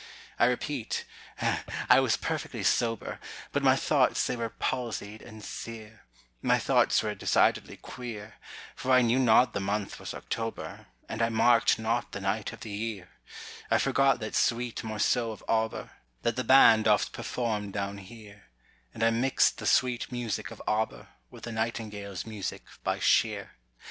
I repeat, I was perfectly sober, But my thoughts they were palsied and sear, My thoughts were decidedly queer; For I knew not the month was October, And I marked not the night of the year; I forgot that sweet morceau of Auber That the band oft performed down here, And I mixed the sweet music of Auber With the Nightingale's music by Shear.